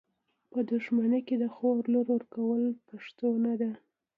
په دښمني کي د خور لور ورکول پښتو نده .